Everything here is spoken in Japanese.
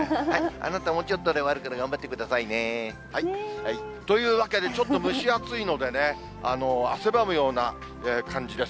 あなたもうちょっとで終わるから、頑張ってくださいね。というわけでちょっと蒸し暑いのでね、汗ばむような感じです。